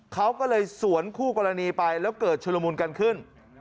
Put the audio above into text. เขาก็เลยสวนคู่กรณีไปแล้วเกิดชุลมุนกันขึ้น